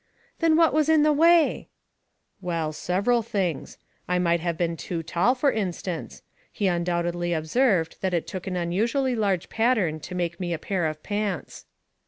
" Then what was in the way ?" 2 18 Household Puzzles, " Well, several things. I might have been too tall, for instance. He undoubtedly observed that it took an unusually large pattern to make me a pair of pants."